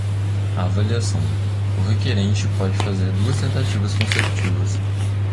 Avaliação: o requerente pode fazer duas tentativas consecutivas.